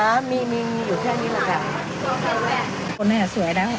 ครับมีมีอยู่แค่นี้แหละค่ะคนเนี้ยสวยแล้ว